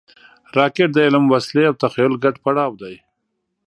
راکټ د علم، وسلې او تخیل ګډ پړاو دی